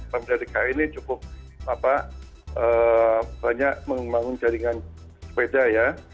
pemerintah dki ini cukup banyak membangun jaringan sepeda ya